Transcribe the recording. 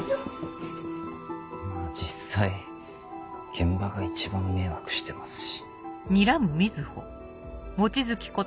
まぁ実際現場が一番迷惑してますし。